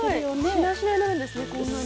しなしななんですねこんなに。